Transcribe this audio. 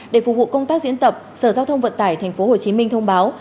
để phục vụ công tác diễn tập sở giao thông vận tải tp hcm thông báo